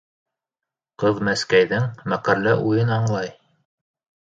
Ҡыҙ Мәскәйҙең мәкерле уйын аңлай.